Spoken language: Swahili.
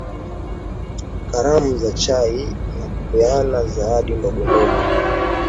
karamu za chai na kupeana zawadi ndogo ndogo